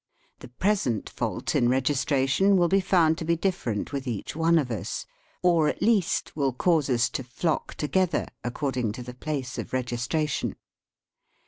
' The present fault in registration will be found to be different with each one of us, or, at least, will cause us "to flock together" according to t the place of registration.